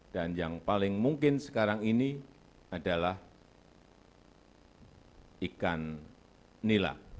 dan yang paling mungkin sekarang ini adalah ikan nila